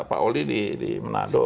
pak oli di manado